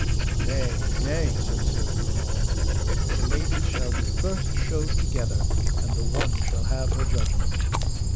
Nay, nay, said Sir Breunor, the ladies shall be first showed together, and the one shall have her judgment.